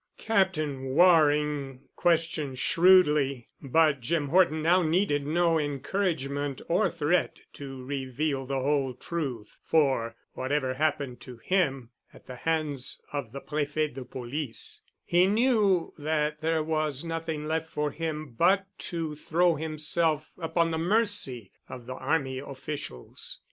Captain Waring questioned shrewdly, but Jim Horton now needed no encouragement or threat to reveal the whole truth, for, whatever happened to him at the hands of the Prefet de Police, he knew that there was nothing left for him but to throw himself upon the mercy of the Army officials.